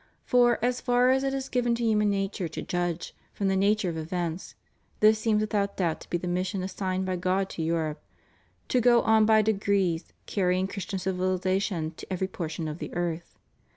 For, as far as it is given to human reason to judge from the nature of events, this seems without doubt to be the mission assigned by God to Europe, to go on by degrees carrying Christian civilization to every portion of the earth.